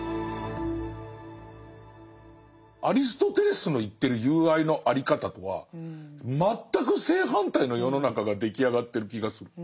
アリストテレスの言ってる友愛のあり方とは全く正反対の世の中が出来上がってる気がする。